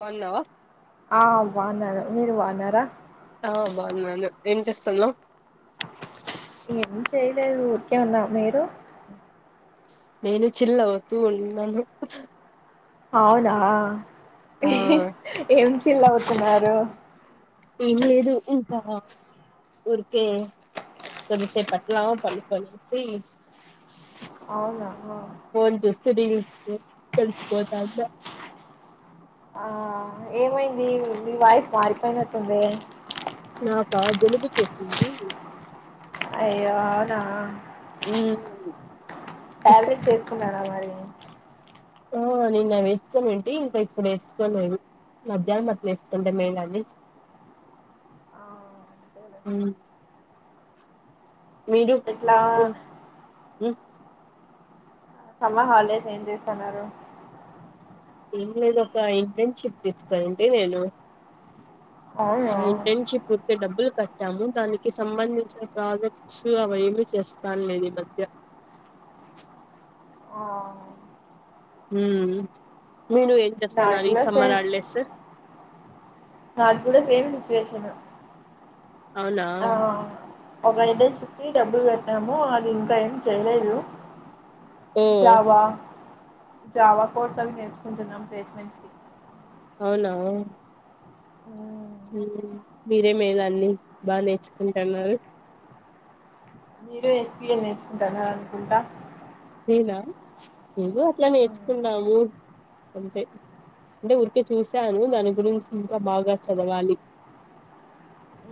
బాగున్నావా ఆ బాగున్నాను మీరు బాగున్నారా ఆ బాగున్నాను ఏం చేస్తున్నావ్ ఏం చేయలేదు ఊరికే ఉన్నా మీరు నేను చిల్ అవుతూ ఉన్నాను అవునా ఆ ఏం చిల్ అవుతున్నారు ఏం లేదు ఇంకా ఊరుకే కొద్దిసేపట్ల పండుకొని చూసి అవునా ఫోన్ చూసి కలిసుపోతా ఉన్న ఆ ఏమైంది మీ వాయిస్ మారిపోయినట్టుంది నాకా జలుబు చేసింది అయ్యో అవునా ఉ టాబ్లెట్స్ వేసుకున్నారా మరి ఓ నిన్న వేసుకోని ఉంటి ఇంకా ఇప్పుడు వేసుకోలేదు మధ్యాహ్నం అట్ల వేసుకుంటా మేం గాని ఆ, అంతేలే. ఉ మీరు ఇట్లా ఉ సమ్మర్ హాలిడేస్ ఏం చేస్తున్నారు ఏం లేదు ఒక ఇంటర్న్షిప్ తీసుకోనూటి నేను అవునా ఆ ఇంటెన్షిప్ డబ్బులు కట్టాము దానికి సంబంధించిన ప్రాజెక్ట్స్ అవి ఏమి చేస్తా లేదు ఈ మధ్య ఆ మీరు ఏం నాది చేస్తున్నారు ఈ కూడా సమ్మర్ సేమ్ హాలిడేస్ నాకు కూడా సేమ్ సిచువేషన్ అవునా ఒకరికి చిట్టి డబ్బులు కట్టాము అది ఇంకా ఏం చేయలేదు ఓ జావా జావా కోర్స్ అవి నేర్చుకుంటున్నాం ప్లేస్మెంట్స్ కి అవునా ఉ మీరే మే దాన్ని బాగా నేర్చుకుంటున్నారు మీరు ఎస్ సి ఎల్ నేర్చుకుంటున్నారు అనుకుంటా నేనా ఏదో అట్లా హ్మ్. నేర్చుకున్నాము అంతే అంటే ఊరికే చూసాను దాని గురించి ఇంకా బాగా చదవాలి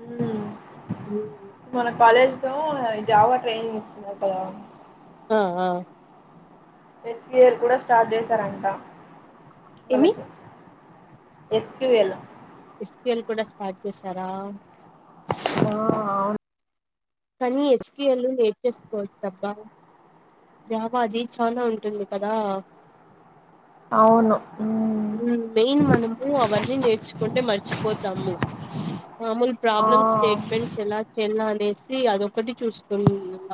హ్మ్. ఉ మన కాలేజ్ లో జావా ట్రైనింగ్ ఇస్తున్నారు కదా ఆ ఆ ఎస్ సి ఎల్ కూడా స్టార్ట్ చేసారంట ఏమి వాళ్ళకి ఎస్ టూ వెల్ ఎస్‌క్యూ‌ఎల్ కూడా స్టార్ట్ చేసారా ఆ కానీ ఎస్‌క్యూ‌ఎల్ నేర్చేసుకోవచ్చు అబ్బా జావాది చానా ఉంటుంది కదా అవును హ్మ్. ఉమ్మ్ మెయిన్ మనము అవన్నీ నేర్చుకుంటే మర్చిపోతాము మామూలు ఆ! ప్రాబ్లమ్ స్టేట్మెంట్స్ ఎలా చేయాల అనేసి అదొకటి చూస్తుకునల్ల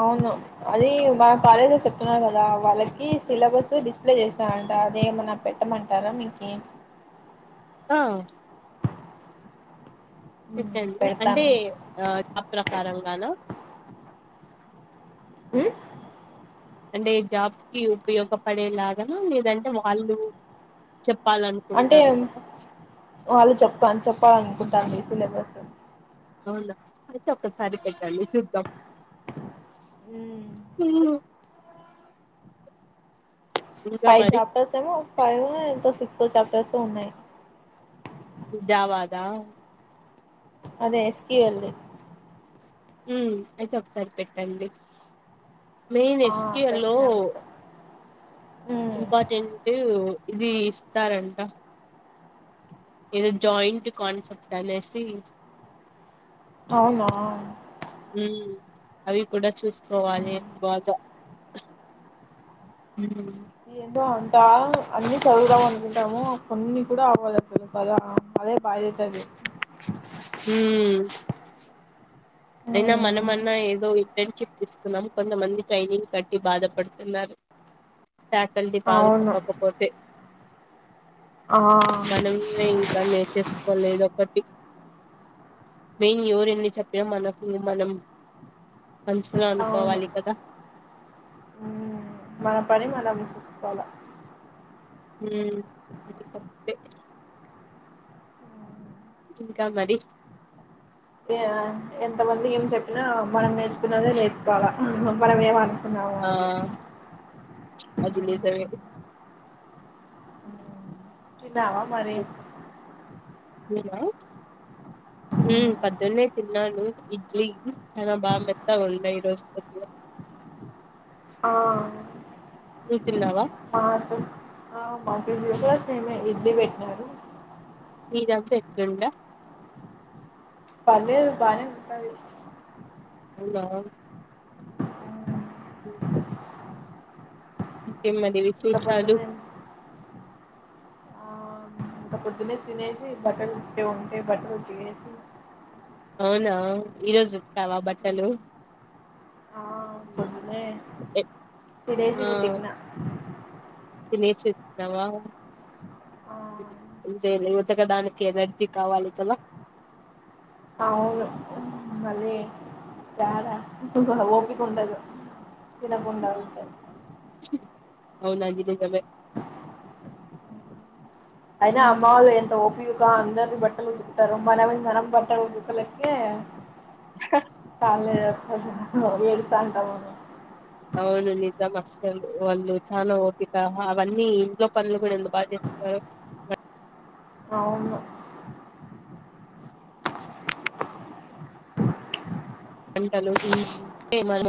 అవును అది మన కాలేజీలో చెప్తున్నారు కదా వాళ్ళకి సిలబస్ డిస్ప్లే చేస్తారాంట అదేమనా పెట్టమంటారా మీకి ఆ హ్మ్. పెట్టండి అంటే పెడతాను. ఆ జాబ్ ప్రకారం గాన ఉమ్మ్ అంటే జాబ్‌కి ఉపయోగపడేలాగాన లేదంటే వాళ్ళు చెప్పాలను అంటే వాళ్ళు చెప్ప చెప్పాలనుకుంటళ్ళు ఈ సిలబస్ అవునా అయితే ఒక్కసారి పెట్టండి చూద్దాం ఉమ్మ్ ఇంకా ఫైవ్ మరి చాప్టర్స్ ఏమో ఫైవో ఎంతో సిక్సో చాప్టర్స్ ఉన్నాయి జావాదా అదే ఎస్‌క్యూఎల్ ది ఉమ్మ్ అయితే ఒకసారి పెట్టండి మెయిన్ ఆ ఎస్‌క్యూ‌ఎల్ లో పెట్టినా మీకు ఇంపార్టెంట్ ఇది ఇస్తారంట ఏదో జాయింట్ కాన్సెప్ట్ అనేసి అవునా ఉమ్మ్ అవి కూడా చూసుకోవాలి బాగా ఉమ్మ్ ఏందో అంటా అన్ని చదువుదాం అనుకుంటాము కొన్ని కూడా అవ్వదు అసలు కదా అదే బాధయితాది ఉమ్మ్ అయినా మనమన్నా ఏదో ఇంటర్న్షిప్ తీసుకున్నాం కొంతమంది ట్రైనింగ్ కట్టి బాధపడుతున్నారు ఫ్యాకల్టీ బాగా అవును చెప్పకపోతే ఆ మనమే ఇంకా మే చేసుకోలేదు ఒకటి మెయిన్ ఎవరెన్ని చెప్పినా మన కు మనం మనసులో అవును అనుకోవాలి కదా మ్మ్. మన పని మనం చూసుకోవాలా ఉమ్మ్ ఇంకా మరి ఏ ఎంత మంది ఏం చెప్పినా మనం నేర్చున్నదే నేర్చుకోవాల మనం ఏమ ఆ అది నిజమే తిన్నావా మరి నేనా ఉమ్మ్ పద్దున్నే తిన్నాను ఇడ్లీ చానా బా మెత్తగా ఉండే ఈరోజు పోద్దు ఆ నువ్వు తిన్నావా ఆ తి మా మంతజీ కూడా సేమ్ ఏ ఇడ్లీ పెట్టారు. మీర్ అంత ఎకుండా పర్లేదు బానే ఉంటది. అవునా ఊ ఇంకేంమదివి ఇంత పొద్దునేమ్ ఇంకా పొద్దున్నే తినేసి బట్టలు ఉతేకేవ్ ఉంటే బట్టలు ఉతికేసి అవునా ఈరోజు ఉతికవ బట్టలు ఆ పొద్దున్నే [unintelligible] తినేసి ఆ ఉతికిన తినేసి ఉతికవ ఆ అంతే లే ఉతకడానికి ఎనర్జీ కావాలి కదా అవును ఆ మళ్ళీ ఎడ ఒపిక్ ఉండదు తినకుండ ఉంటె అవున్ అది నిజమే అయినా అమ్మ ఉమ్, వాళ్లు ఎంత ఓపిక్ గా అందరి వి బట్టలు ఉదుకుతారు మనవి మనం బట్టలు ఉదుకలకే చాల [inaudible] ఏడుస్తా ఉంటాం మనం అవును నిజం అస్సలు వాళ్ళు చాలా ఓపిక అవన్నీ ఇంట్లో పనులు కూడా ఎంత బాగా చేస్తారు. అవును పంటలు ఉమ్ ఏ మన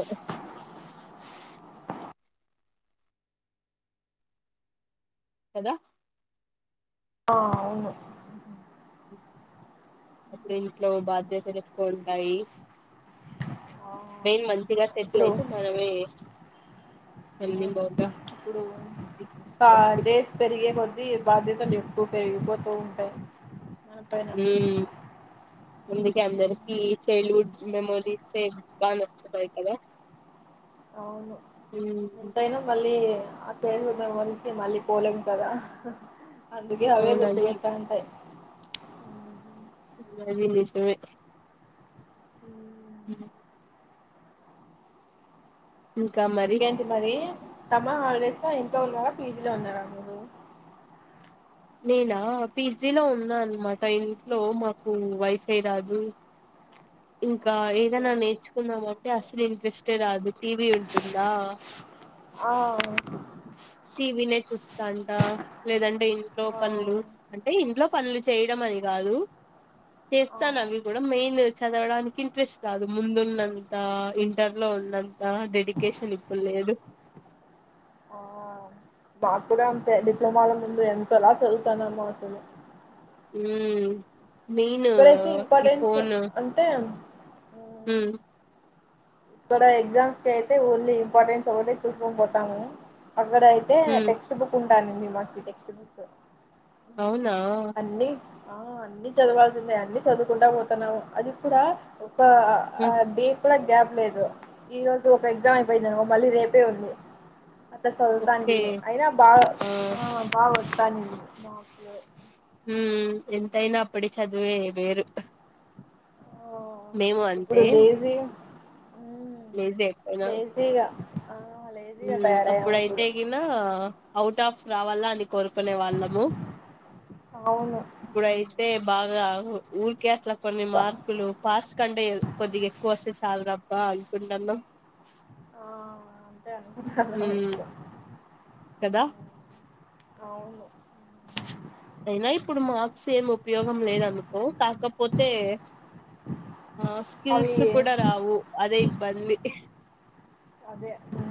కదా ఆ అవును అక్కడ ఇంట్లో బాధ్యతలు ఎక్కువ ఉంటాయి. ఆ మెయిన్ మంచిగా సెటిల్ ఇప్పుడు అయితే మనమే అన్ని అవును బాగా ఇప్పుడు ఇంక తీసేసుకోవచ్చు డేస్ పెరిగే కొద్దీ బాధ్యతలు ఎక్కువ పెరిగిపోతూ ఉంటాయి మన పై ఉమ్ అందుకె అందరికిీ చైల్డ్హుడ్ మెమోరీస్ ఏ బాగా నచ్చతాయికదా అవును ఎంతైనా మళ్ళీ ఆ చైల్డ్హుడ్ మెమోరీస్ కి మళ్ళీ పోలేం కదా అందుకి అవే అవునది గుర్తుకొస్త ఉంటాయి. అవ్ అది నిజమే హ్మ్. [unintelligible] ఇంకా మరి ఇంకేంటి మరి సమర్ హాలిడేస్ లో ఇంట్లో ఉన్నారా పీజీ లో ఉన్నార మీరు నేనా పీజీలో ఉన్నా అనమాట ఇంట్లో మాకు వైఫే రాదు. ఇంకా ఆ ఏదైనా సేమ్ నేర్చుకున్నామంటే అసలు ఇంట్రెస్టే రాదు టీవీ ఉంటుందా ఆ టీవీ నే చూస్తాంట లేదంటే ఇంట్లో ఆ పనులు అంటే ఇంట్లో పనులు చేయడం అని కాదు ఆ చేస్తాను అవి కూడా మెయిన్ చదవడానికి ఇంట్రెస్ట్ రాదు ముందున్నంత, ఇంటర్ లో ఉన్నంత ఆ డెడికేషన్ ఇప్పుడు లేదు ఆ మాకు కూడా అంతే డిప్లొమాల ముందు ఎంతలా చదువుతానమ్ అసలు ఊ మెయిన్ ఈ ఫోను టం ఉ ఇక్కడ ఎగ్జామ్స్ కి అయితే ఓన్లీ ఇంపార్టెన్స్ ఒకటి చూసుకొని పోతాం మనం అక్కడ అయితే మ్మ్ టెక్స్ట్ టెస్ట్ బుక్ ఉంటాను మీ మ టెక్స్ట్ బుక్ అవునా అన్ని ఆ అన్ని చదవాల్సిందే అన్ని చదువుకుంటా పోతున్నాము అది కూడా ఇంకా ఆ మ్మ్ డీప్లా గ్యాప్ లేదు ఈ రోజు ఒక ఎగ్జామ్ అయిపోయిందిమా మళ్ళీ రేపే ఉంది ఓకే చదువుతాంటీమీ అయినా బాగ ఆ బాగా వత్తన్డే మాక్స్ ఊ ఎంతైన అప్పటి చదివే వేరు మేము అంతే జియో లేజీ ఎక్కువనా జీ అ ఆ లేజీగా తయారయ్యాము ఇప్పుడు నా అవుట్ ఆఫ్ రావాలా అని కోరుకునే వాళ్ళము అవును ఇప్పుడయితే బాగా ఊరికే అట్లా కొన్ని మార్ ర్కులు పాస్ కంటే ఎక్ కొద్దిగా ఎక్కువ వస్తే చాలు రబ్బా అనుకుంటున్ అ హ్మ్ కదా అవును అయినా ఇప్పుడు మార్క్సేమీ ఉపయోగం లేదనుకో కాకపోతే ఆ అవి స్కిల్స్ కూడ రావు అదే ఇబ్బంది అదే హు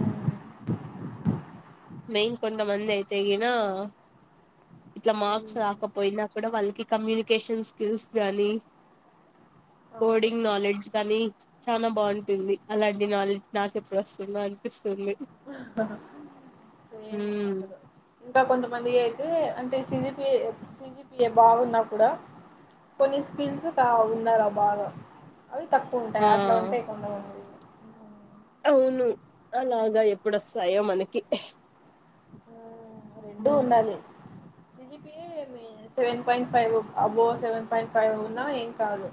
మెయిన్ కొంత మంది అయితే గినా ఇట్లా మార్క్స్ మ్మ్. రాకపోయినా కూడా వాళ్ళకి కమ్యూనికేషన్ స్కిల్స్ గానీ, అవును కోడింగ్ నాలెడ్జ్ గానీ చాన బాగుంటుంది అలాంటి నాలెడ్జ్ నాకెప్పుడొస్తుందో అనిపిస్తుంది ఆ హ్మ్ ఇంకా కొంతమంది అయితే అంటే సిజీపే సిజిపిఎ బాగున్నపుడు కొన్ని స్కిల్స్ తా ఉన్నార ఆ బాగా అవి తక్కువుంటాయి అట్లా ఆ ఉంటాయి కొంత మంది అవును అలాగా ఎప్పుడోస్తాయో మనకి ఉ రెండు ఉమ్ ఉండాలి సిజిపి మీ సెవెన్ పాయింట్ ఫైవ్ అబో సెవెన్ పాయింట్ ఫైవ్ ఉన్నా ఏం కాదు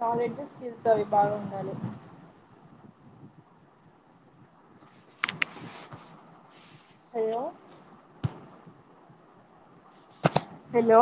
నాలెడ్జి స్కిల్స్ అవి బాగా ఉండాలి హలో హలో